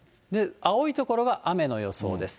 青い所は雨の予想です。